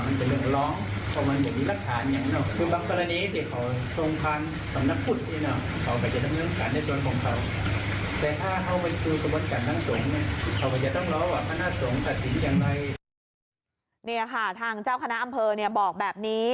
นี่ค่ะทางเจ้าคณะอำเภอบอกแบบนี้